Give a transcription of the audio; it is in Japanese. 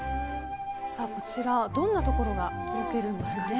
こちら、どんなところがとろけるんですかね。